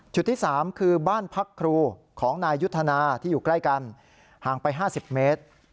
ที่๓คือบ้านพักครูของนายยุทธนาที่อยู่ใกล้กันห่างไป๕๐เมตร